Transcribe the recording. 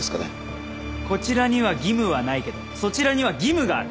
こちらには義務はないけどそちらには義務がある。